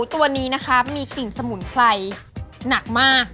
ตัวนี้นะคะมีกลิ่นสมุนไพรหนักมาก